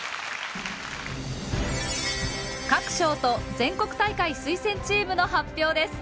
各賞と全国大会推薦チームの発表です。